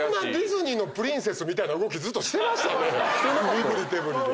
身ぶり手ぶりで。